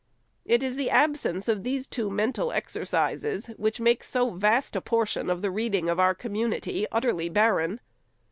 It is the absence of these two mental exercises which makes so vast a portion of the reading of our community utterly barren.